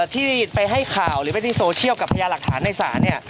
ที่ไปให้ข่าวหรือไปในโซเชียลกับพญาหลักฐานในศาลเนี่ย